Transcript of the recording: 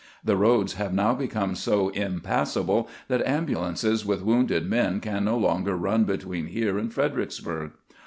The roads have now become so impassable that ambulances with wounded men can no longer run between here and Fredericksburg.